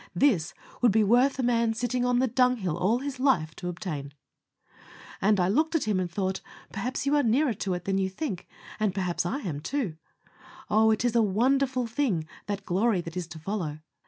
This would be worth a man sitting on the dunghill all his life to obtain." I looked at him, and thought, perhaps you are nearer to it than you think, and perhaps I am, too. Ah! it is a wonderful thing, that glory that is to follow.